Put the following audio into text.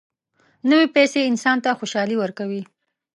نوې پیسې انسان ته خوشالي ورکوي